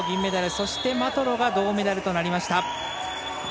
そして、マトロが銅メダルとなりました。